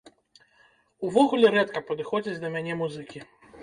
Увогуле, рэдка падыходзяць да мяне музыкі.